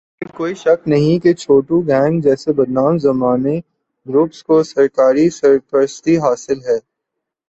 اس میں کوئ شک نہیں کہ چھوٹو گینگ جیسے بدنام زمانہ گروپس کو سرکاری سرپرستی حاصل ہے